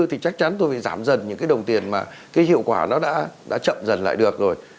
thì chắc chắn tôi phải giảm dần những cái đồng tiền mà cái hiệu quả nó đã chậm dần lại được rồi